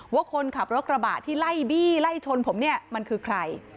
ว่าคนขับรถกระบะที่ไล่บี้ไล่ชนผมเนี่ยมันคือใคร